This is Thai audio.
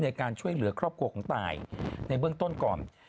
ในการช่วยเหลือครอบครัวของตายในเบื้องต้นก่อน